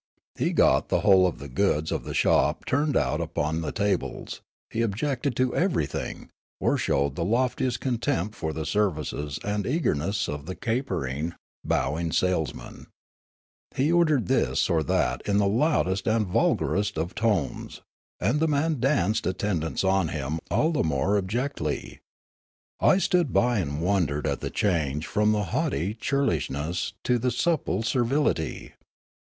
He got the whole of the goods of the shop turned out upon the tables ; he objected to everything, or showed the loftiest contempt for the services and eagerness of the capering, bowing salesman ; he ordered this or that in the loudest and vulgarest of tones, and the man danced attendance on him all the more abjectly. I stood by and wondered at the change from the haughty churlish ness to the supple servility.